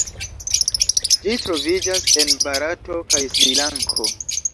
Ĝi troviĝas en Barato kaj Srilanko.